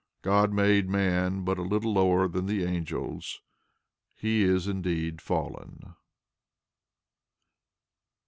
God made man but little lower than the angels. He is indeed fallen.